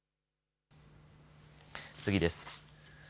次です。